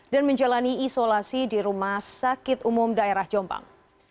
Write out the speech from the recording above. dan menjalani isolasi di rumah sakit umum daerah jombang